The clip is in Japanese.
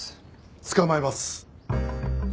捕まえます！